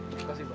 terima kasih pak